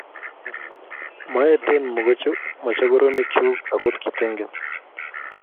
maeten mochokoronikchu akot kitegen